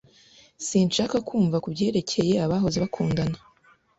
Sinshaka kumva kubyerekeye abahoze bakundana.